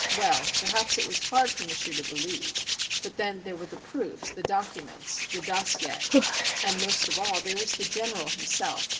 Well, perhaps it was hard for M'sieu' to believe, but then there were the proofs, the documents, the dossier, and, most of all, there was the General himself.